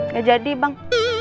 gak jadi bang